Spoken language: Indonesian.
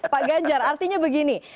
pak ganjar artinya begini